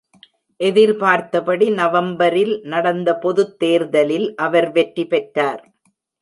எதிர்பார்த்தபடி, நவம்பரில் நடந்த பொதுத் தேர்தலில் அவர் வெற்றி பெற்றார்.